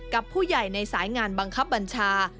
กับผู้ใหญ่ในสายงานบังคับบัญชา